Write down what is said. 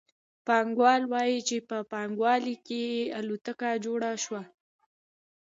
پانګوال وايي چې په پانګوالي کې الوتکه جوړه شوه